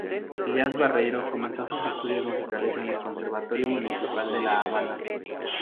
Elías Barreiro comenzó sus estudios musicales en el Conservatorio Municipal de La Habana.